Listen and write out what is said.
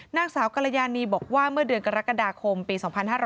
นางสาวกรยานีบอกว่าเมื่อเดือนกรกฎาคมปี๒๕๕๙